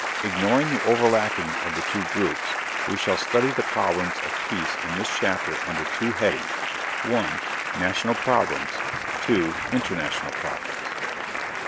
Ignoring the overlapping of the two groups, we shall study the problems of peace in this chapter under two headings: (1) national problems; (2) international problems.